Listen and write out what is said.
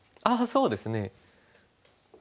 ああそうですね。